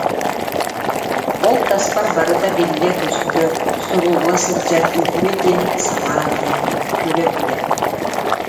Ол таспар барыта биллэ-көстө, сурулла сылдьар үһүө диэн санаан иһэн, күлэ-күлэ: